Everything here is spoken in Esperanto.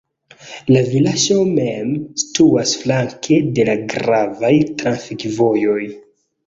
La vilaĝo mem situas flanke de la gravaj trafikvojoj.